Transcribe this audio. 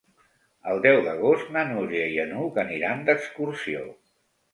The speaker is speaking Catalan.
El deu d'agost na Núria i n'Hug aniran d'excursió.